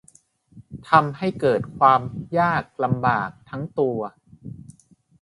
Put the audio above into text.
ทำให้เกิดความยากลำบากทั้งตัว